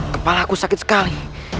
kepala ku sakit sekali